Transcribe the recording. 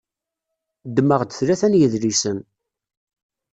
Ddmeɣ-d tlata n yidlisen.